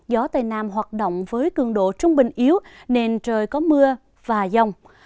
gió tây nam hoạt động với cường độ trung bình yếu nên trời có mưa và dông